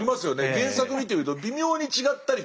原作見てみると微妙に違ったりとか。